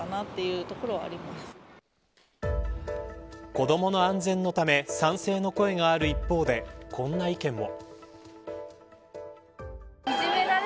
子どもの安全のため賛成の声がある一方でこんな意見も。